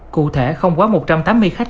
cụ thể không quá một trăm tám mươi khách